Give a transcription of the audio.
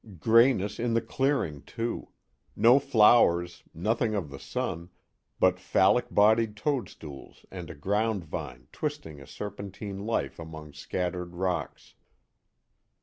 Grayness in the clearing too; no flowers, nothing of the sun, but phallic bodied toadstools and a ground vine twisting a serpentine life among scattered rocks.